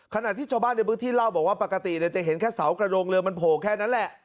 ขณะที่ชาวบ้านในพื้นที่เล่าบอกว่าปกติจะเห็นแค่เสากระโดงเรือมันโผล่แค่นั้นแหละ